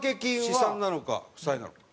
資産なのか負債なのか。